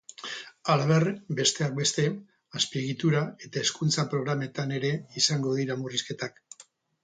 Halaber, besteak beste, azpiegitura eta hezkuntza programetan ere izango dira murrizketak.